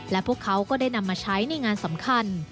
และพวกเขาก็ได้นำมาใช้ในงานสำคัญ